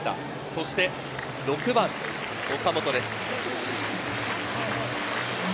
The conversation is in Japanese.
そして６番・岡本です。